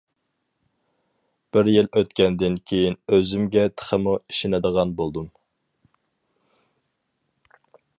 بىر يىل ئۆتكەندىن كىيىن، ئۆزۈمگە تېخىمۇ ئىشىنىدىغان بولدۇم.